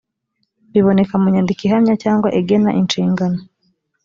biboneka mu nyandiko ihamya cyangwa igena inshingano